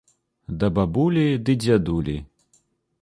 Да бабулі ды дзядулі.